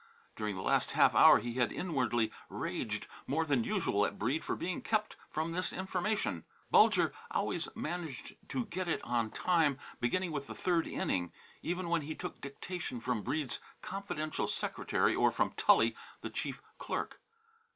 During the last half hour he had inwardly raged more than usual at Breede for being kept from this information. Bulger always managed to get it on time, beginning with the third inning, even when he took dictation from Breede's confidential secretary, or from Tully, the chief clerk.